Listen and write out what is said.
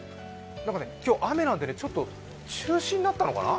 今日、雨なんで中止になったのかな？